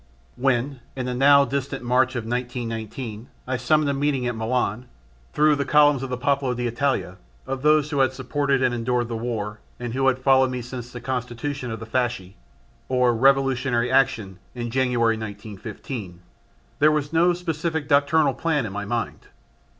When, in the now distant March of 1919, I summoned a meeting at Milan, through the columns of the Popolo d'Italia, of those who had supported and endured the war and who had followed me since the constitution of the fasci or Revolutionary Action in January 1915, there was no specific doctrinal plan in my mind.